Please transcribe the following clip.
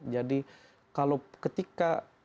jadi kalau ketika